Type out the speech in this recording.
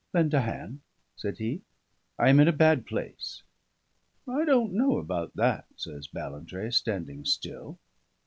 "Lend a hand," said he, "I am in a bad place." "I don't know about that," says Ballantrae, standing still.